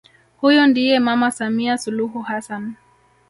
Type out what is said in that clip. Huyu ndiye mama Samia Suluhu Hassan